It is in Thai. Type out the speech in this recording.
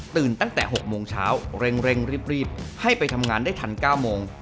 ตั้งแต่๖โมงเช้าเร่งรีบให้ไปทำงานได้ทัน๙โมง